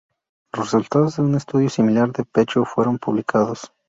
Los resultados de un estudio similar de pecho fueron publicados.